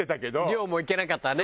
量もいけなかったね。